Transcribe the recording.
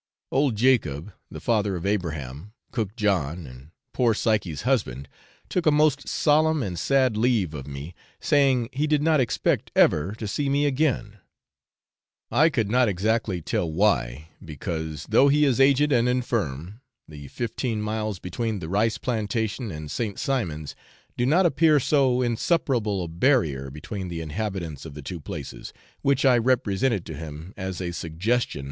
Old Jacob, the father of Abraham, cook John, and poor Psyche's husband, took a most solemn and sad leave of me, saying he did not expect ever to see me again. I could not exactly tell why, because, though he is aged and infirm, the fifteen miles between the rice plantation and St. Simon's do not appear so insuperable a barrier between the inhabitants of the two places, which I represented to him as a suggestion of consolation.